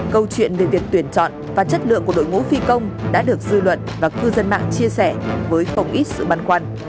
câu chuyện về việc tuyển chọn và chất lượng của đội ngũ phi công đã được dư luận và cư dân mạng chia sẻ với không ít sự băn khoăn